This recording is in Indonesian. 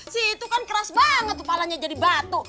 si itu kan keras banget tuh palanya jadi batu